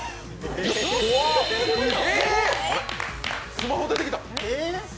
スマホ出てきた！